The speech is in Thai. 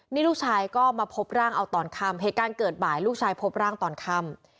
นี่ลูกชายก็มาพบร่างเอาตอนค่ำเหตุการณ์เกิดบ่ายลูกชายพบร่างตอนค่ำ